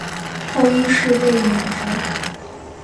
后因事被免职。